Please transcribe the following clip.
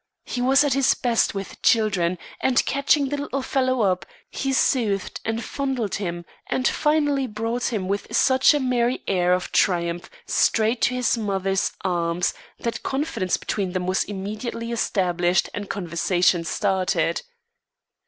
He was at his best with children, and catching the little fellow up, he soothed and fondled him and finally brought him with such a merry air of triumph straight to his mother's arms, that confidence between them was immediately established and conversation started.